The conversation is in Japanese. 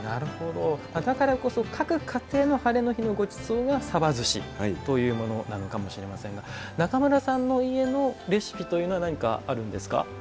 だかからこそ各家庭のハレの日のごちそうがさばずしというものなのかもしれませんが中村さんの家のレシピというのは何かあるんですか？